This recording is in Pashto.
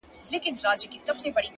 دېوالونه په پردو کي را ايسار دي’